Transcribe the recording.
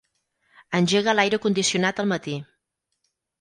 Engega l'aire condicionat al matí.